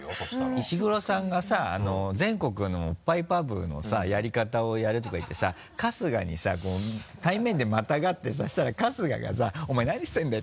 石黒さんがさ全国のおっぱいパブのさやり方をやるとか言ってさ春日にさ対面でまたがってさそしたら春日がさ「お前何してんだよ！」